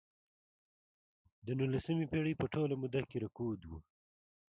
د نولسمې پېړۍ په ټوله موده کې رکود و.